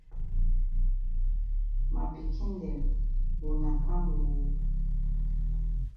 Ma pikin dem wuna kam oo.